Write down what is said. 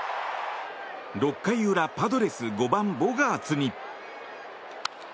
６回裏、パドレス５番ボガーツに。